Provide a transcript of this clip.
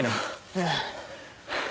ええ。